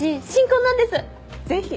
ぜひ。